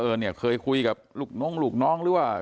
เนี่ยเคยคุยกับลูกน้องลูกน้องหรือว่า